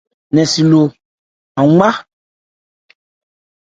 Ńmréci lɔ, an wá.